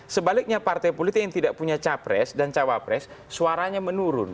sebaliknya partai politik yang tidak punya capres dan cawapres suaranya menurun